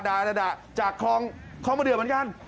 ซึ่งคือจากฮอร์มมาเดือมเหมือนกัน